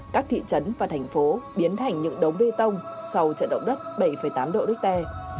các thị trấn và thành phố biến thành những đống bê tông sau trận động đất bảy tám độ richter